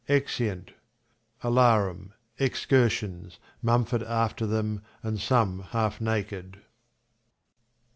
\_Exeunt. \_Alarum, excursions, Mumford after them, and some half naked.